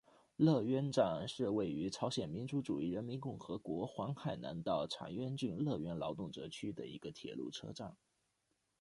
乐渊站是位于朝鲜民主主义人民共和国黄海南道长渊郡乐渊劳动者区的一个铁路车站。